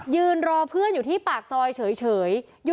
ยืนรอเพื่อนอยู่ที่ปากซอยเฉย